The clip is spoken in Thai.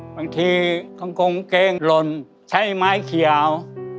บางทีข้างกงเก้งหล่นใช้ไม้เขียว